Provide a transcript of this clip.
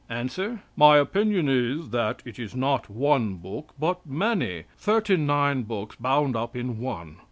Answer. "My opinion is that it is not one book, but many thirty nine books bound up in one.